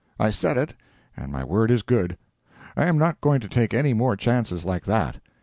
I said it, and my word is good. I am not going to take any more chances like that.